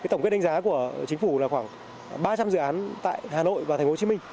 tổng kết đánh giá của chính phủ là khoảng ba trăm linh dự án tại hà nội và thành phố hồ chí minh